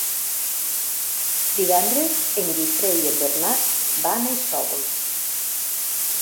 Divendres en Guifré i en Bernat van a Isòvol.